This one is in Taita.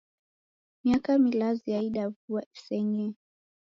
Miaka milazi yaida vua isenyee.